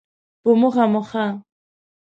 په مخه مو ښه